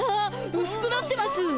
あうすくなってます！